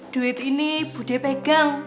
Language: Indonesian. duit ini bu d pegang